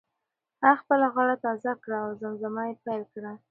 هغه خپله غاړه تازه کړه او زمزمه یې پیل کړه.